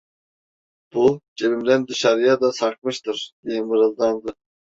"Bu, cebimden dışarıya da sarkmıştır!" diye mırıldandı.